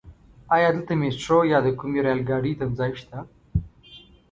ايا دلته ميټرو يا د کومې رايل ګاډی تمځای شته؟